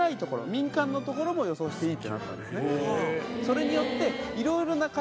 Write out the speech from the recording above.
民間の所も予想していいってなったんですね